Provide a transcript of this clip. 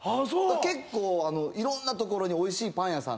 結構いろんな所においしいパン屋さんがあって。